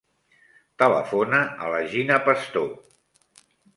Telefona a la Gina Pastor.